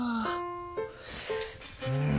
うん。